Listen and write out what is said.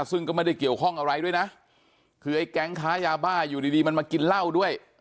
ซึ่งก็ไม่ได้เกี่ยวข้องอะไรด้วยนะคือไอ้แก๊งค้ายาบ้าอยู่ดีดีมันมากินเหล้าด้วย